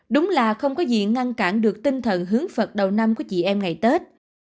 đúng là không có gì ngăn cản được tinh thần hướng phật đầu năm của chị em ngày tết